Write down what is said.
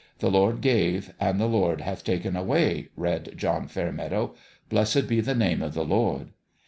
The Lord gave, and the Lord hath taken away, read John Fairmeadow ; blessed be the name of the Lord.